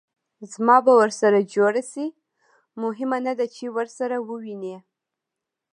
زما به ورسره جوړه شي؟ مهمه نه ده چې ورسره ووینې.